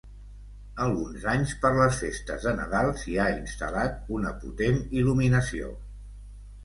Alguns anys, per les festes de Nadal, s'hi ha instal·lat una potent il·luminació.